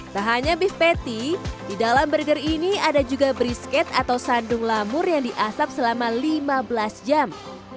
tak hanya beef patty di dalam burger ini ada juga brisket atau sandung lamur yang diasap selama lima belas jam